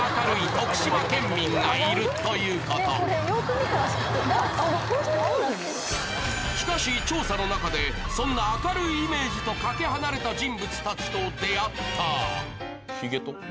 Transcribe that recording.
徳島県民がいるということしかし調査の中でそんな明るいイメージとかけ離れた人物たちと出会ったヒゲと？